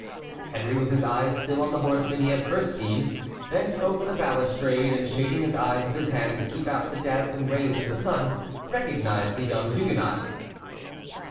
Henry, with his eyes still on the horseman he had seen first, bent over the balustrade, and shading his eyes with his hand to keep out the dazzling rays of the sun, recognized the young Huguenot.